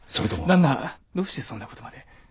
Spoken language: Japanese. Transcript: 旦那どうしてそんな事まで？